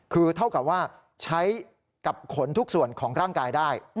คือเท่ากับว่าใช้กับขนทุกส่วนของร่างกายได้